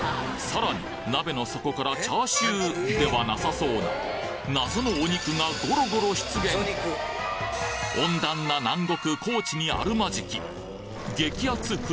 さらに鍋の底からチャーシューではなさそうな謎のお肉がゴロゴロ出現温暖な南国高知にあるまじき激アツ